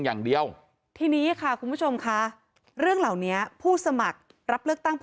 อย่างเดียวทีนี้ค่ะคุณผู้ชมค่ะเรื่องเหล่านี้ผู้สมัครรับเลือกตั้งเป็น